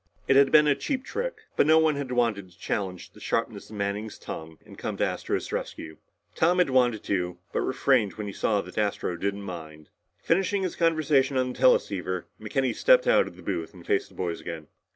It had been a cheap trick, but no one had wanted to challenge the sharpness of Manning's tongue and come to Astro's rescue. Tom had wanted to, but refrained when he saw that Astro didn't mind. Finishing his conversation on the teleceiver, McKenny stepped out of the booth and faced the boys again.